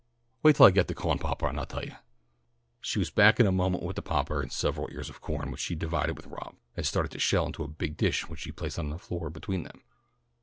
"Wait till I get the cawn poppah and I'll tell you." She was back in a moment with the popper and several ears of corn which she divided with Rob, and started to shell into the big dish which she placed on the floor between them.